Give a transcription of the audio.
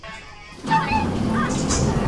راتلونکی بدلون په پرمختيا کې ګډ وشمېرئ.